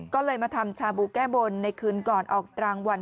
ก็เลยมาทำชาบูแก้บนในคืนก่อนออกรางวัล